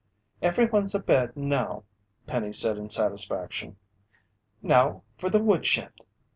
"Everyone's abed now," Penny said in satisfaction. "Now for the woodshed!"